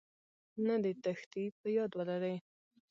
نه دې تېښتې.په ياد ولرئ